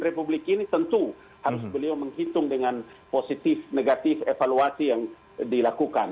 republik ini tentu harus beliau menghitung dengan positif negatif evaluasi yang dilakukan